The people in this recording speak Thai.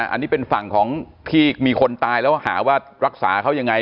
อันนี้เป็นฝั่งของที่มีคนตายแล้วหาว่ารักษาเขายังไง